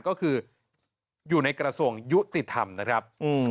ก็คืออยู่ในกระทรวงยุติธรรมนะครับ